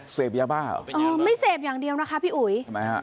เสพยาบ้าเหรอเออไม่เสพอย่างเดียวนะคะพี่อุ๋ยทำไมฮะ